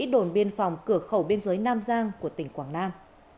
đồn biên phòng cửa khẩu biên giới nam giang của tỉnh quảng nam